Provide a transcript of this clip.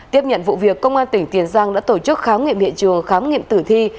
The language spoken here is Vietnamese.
tiếp nhận vụ việc công an tỉnh tiền giang đã tổ chức khám nghiệm hiện trường khám nghiệm tử thi